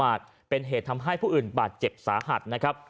และยืนยันเหมือนกันว่าจะดำเนินคดีอย่างถึงที่สุดนะครับ